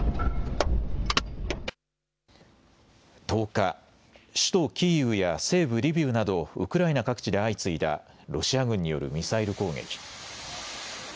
１０日、首都キーウや西部リビウなど、ウクライナ各地で相次いだロシア軍によるミサイル攻撃。